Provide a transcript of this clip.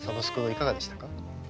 いかがでしたか？